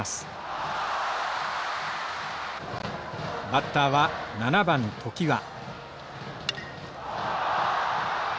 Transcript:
バッターは７番常盤。